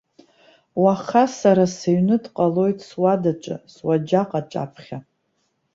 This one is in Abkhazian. Уаха сара сыҩны дҟалоит, суадаҿы, суаџьаҟ аҿаԥхьа.